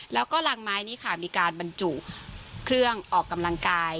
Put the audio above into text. แล้วก็ลางไม้นี้ค่ะมีการบรรจุเครื่องออกกำลังกาย